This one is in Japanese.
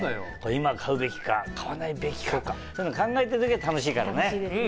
今買うべきか買わないべきかそういうの考えてるだけで楽しいからね。